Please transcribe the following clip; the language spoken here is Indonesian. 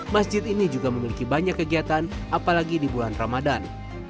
masjid ini juga memiliki banyak kegiatan apalagi di bulan ramadan